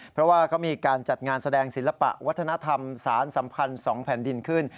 เพราะว่าเขามีการจัดงานแสดงศิลปะวัฒนธรรมสารสัมพันธ์๒แผ่นดินขึ้น